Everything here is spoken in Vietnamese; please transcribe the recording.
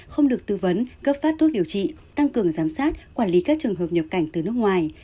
không được tư vấn cấp phát thuốc điều trị tăng cường giám sát quản lý các trường hợp nhập cảnh từ nước ngoài